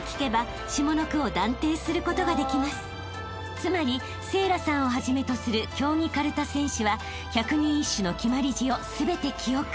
［つまり聖蘭さんをはじめとする競技かるた選手は百人一首の決まり字を全て記憶］